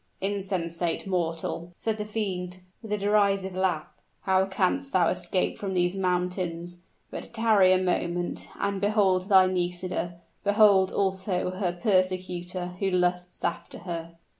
insensate mortal!" said the fiend, with a derisive laugh. "How canst thou escape from these mountains? But tarry a moment and behold thy Nisida behold also her persecutor, who lusts after her."